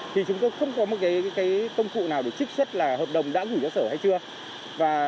thì chúng tôi không có một cái công cụ nào để trích xuất là hợp đồng đã gửi cho sở hay chưa